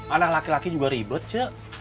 anak laki laki juga ribet cek